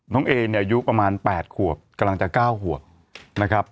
น้องเอเนี่ยอายุประมาณแปดขวบกำลังจะเก้าขวบนะครับ